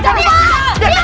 jangan berangkat kalian